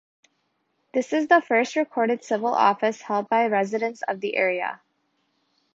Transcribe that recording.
This is the first recorded civil office held by residents of the area.